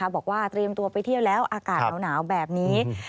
บอกว่าเตรียมตัวไปเที่ยวแล้วอากาศหนาวแบบนี้